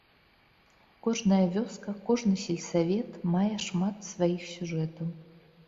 Кожная вёска, кожны сельсавет мае шмат сваіх сюжэтаў.